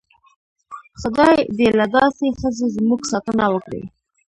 خدای دې له داسې ښځو زموږ ساتنه وکړي.